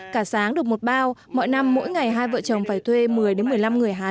cả sáng được một bao mọi năm mỗi ngày hai vợ chồng phải thuê một mươi một mươi năm người hán